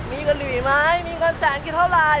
มีการหรือไม่มีการแสนกี่เท่าไหร่